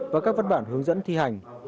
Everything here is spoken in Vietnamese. và các văn bản hướng dẫn thi hành